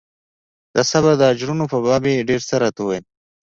د صبر د اجرونو په باب يې ډېر څه راته وويل.